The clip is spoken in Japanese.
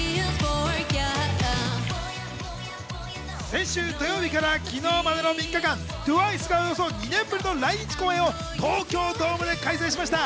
先週土曜日から昨日までの３日間、ＴＷＩＣＥがおよそ２年ぶりの来日公演を東京ドームで開催しました。